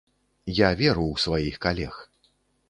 Я веру ў сваіх калег.